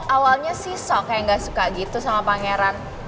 awalnya sisok kayak gak suka gitu sama pangeran